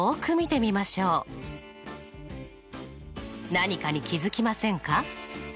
何かに気付きませんか？